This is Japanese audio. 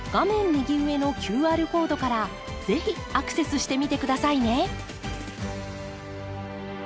右上のＱＲコードから是非アクセスしてみて下さいね！